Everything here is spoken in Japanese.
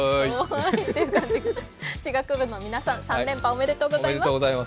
地学部の皆さん３連覇おめでとうございます。